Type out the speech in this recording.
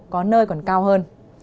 có nơi còn cao hơn